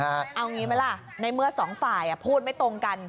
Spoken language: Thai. เอางี้ไหมล่ะในเมื่อสองฝ่ายพูดไม่ตรงกัน